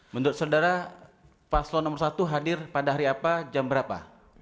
menurut saudara paslon nomor satu hadir pada hari apa jam berapa